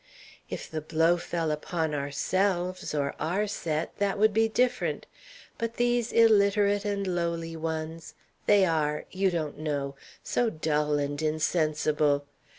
If the blow fell upon ourselves or our set, that would be different; but these illiterate and lowly ones they are you don't know so dull and insensible.